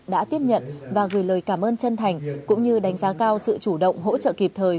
đã tiếp nhận và gửi lời cảm ơn chân thành cũng như đánh giá cao sự chủ động hỗ trợ kịp thời